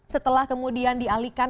setelah kemudian dialihkan